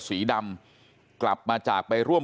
ทำให้สัมภาษณ์อะไรต่างนานไปออกรายการเยอะแยะไปหมด